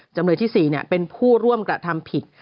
จำเลยที่๔เป็นผู้ร่วมกระทำผิด